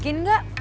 tidak ada apa apa